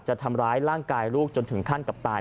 จะทำร้ายร่างกายลูกจนถึงขั้นกับตาย